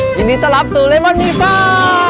ยินดีต้อนรับสู่เลมอนมีฟ้า